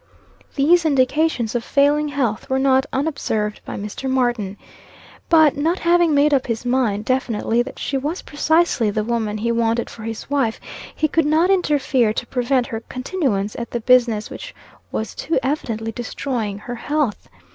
These indications of failing health were not unobserved by Mr. Martin. But, not having made up his mind, definitely, that she was precisely the woman he wanted for a wife, he could not interfere to prevent her continuance at the business which was too evidently destroying her health.